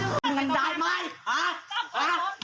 ฉันรู้ว่านั้นตัวง่ายอยู่นา